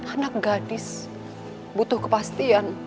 anak gadis butuh kepastian